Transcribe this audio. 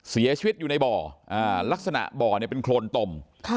เสียชีวิตอยู่ในบ่อลักษณะบ่อเนี่ยเป็นโครนตม